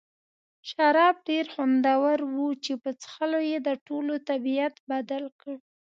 شراب ډېر خوندور وو چې په څښلو یې د ټولو طبیعت بدل کړ.